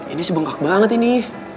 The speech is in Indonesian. ini sih bengkak banget ini